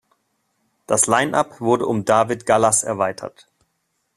Das Line Up wurde um David Galas erweitert.